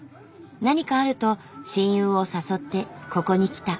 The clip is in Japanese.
何かあると親友を誘ってここに来た。